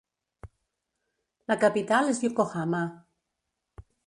La capital és Yokohama.